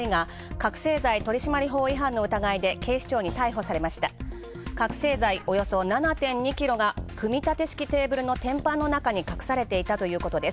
覚せい剤およそ７．２キロが組み立て式テーブルの天板の中に隠されていたということです